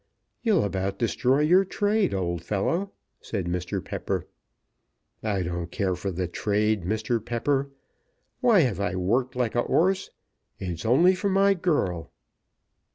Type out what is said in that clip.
"You'll about destroy your trade, old fellow," said Mr. Pepper. "I don't care for the trade, Mr. Pepper. Why have I worked like a 'orse? It's only for my girl."